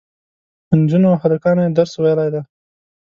په نجونو او هلکانو یې درس ویلی دی.